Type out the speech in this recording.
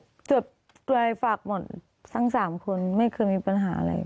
ตรวจเลือดฝากหมดทั้ง๓คนไม่เคยมีปัญหาอะไร